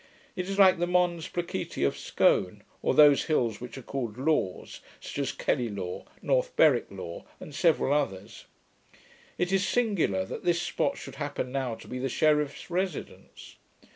It is like the mons placiti of Scone, or those hills which are called laws, such as Kelly law, North Berwick law, and several others. It is singular that this spot should happen now to be the sheriff's residence.